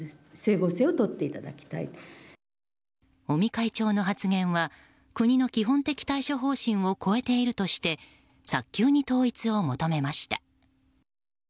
尾身会長の発言は国の基本的対処方針を超えているとして早急に統一を求めました。